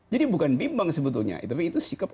jadi bukan bimbang sebetulnya tapi itu sikap